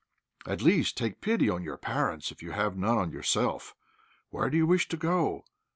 At least, take pity on your parents if you have none on yourself. Where do you wish to go?